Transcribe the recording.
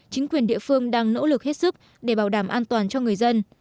chính quyền địa phương đang nỗ lực hết sức để bảo đảm an toàn cho người dân